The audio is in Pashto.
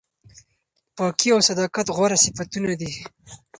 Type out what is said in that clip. پاکي او صداقت غوره صفتونه دي.